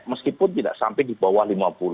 meskipun tidak sampai di bawah lima puluh